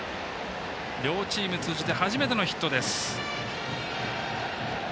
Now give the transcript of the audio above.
両チーム通じて初めてのヒットです。